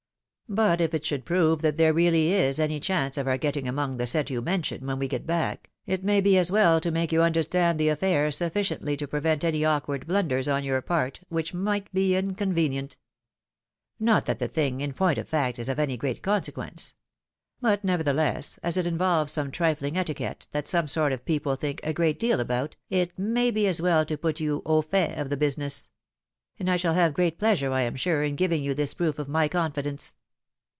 But if it should prove that there really is any chance of our getting among the set you mention, when we get back, it may be as well to make you understand the affair sufficiently to prevent any awkward blunders on your part, which might be inconvenient. Not that the thing, in point of fact, is of any great consequence ; but nevertheless, as it involves some trifling etiquette, that some sort of people think a great deal about, it may be as well to put you aufait of the business ; and I shall have great pleasure, I am sure, in giving you this proof of my confidence.